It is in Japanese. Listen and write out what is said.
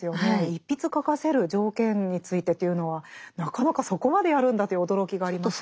一筆書かせる条件についてというのはなかなかそこまでやるんだという驚きがありましたけど。